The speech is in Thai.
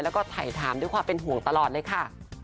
แล้วก็ถ่ายถามด้วยความเป็นห่วงตลอดเลยค่ะ